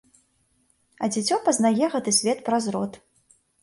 А дзіцё пазнае гэты свет праз рот.